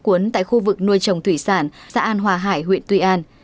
quấn tại khu vực nuôi trồng thủy sản xã an hòa hải huyện tuy an